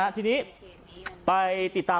ทีนี้ไปติดตาม